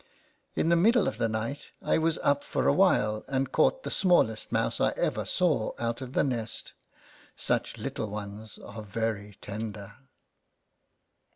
In the middle of the night I was up for a while, and caught the smallest mouse I ever saw out of the nest. Such little ones are very tender.